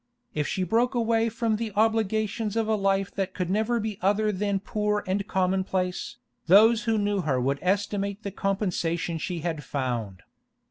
If she broke away from the obligations of a life that could never be other than poor and commonplace, those who knew her would estimate the compensation she had found.